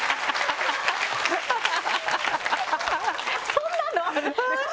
そんなのある？